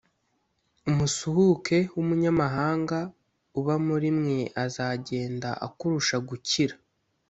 umusuhuke w’umunyamahanga uba muri mwe azagenda akurusha gukira,